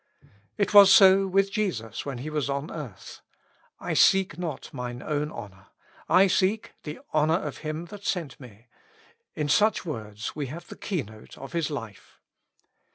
It w^as so with Jesus when He was on earth. "I seek not mine own honor : I seek the honor of Him that sent me ;" in such words we have the keynote of His life.